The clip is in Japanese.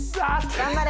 頑張れ！